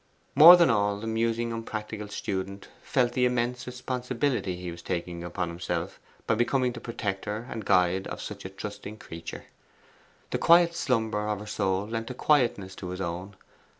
More than all, the musing unpractical student felt the immense responsibility he was taking upon himself by becoming the protector and guide of such a trusting creature. The quiet slumber of her soul lent a quietness to his own.